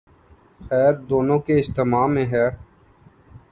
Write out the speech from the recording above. خیر دونوں کے اجتماع میں ہے۔